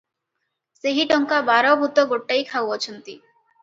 ସେହି ଟଙ୍କା ବାର ଭୂତ ଗୋଟାଇ ଖାଉଅଛନ୍ତି ।